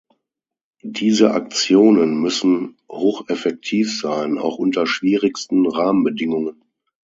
Diese Aktionen müssen hocheffektiv sein, auch unter schwierigsten Rahmenbedingungen.